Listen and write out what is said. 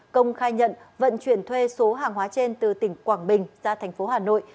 công khai nhận vận chuyển thuê số hàng hóa trên từ tỉnh quảng bình ra thành phố hà nội